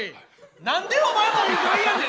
何でお前も意外やねん！